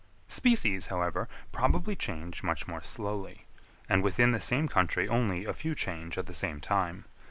Species, however, probably change much more slowly, and within the same country only a few change at the same time.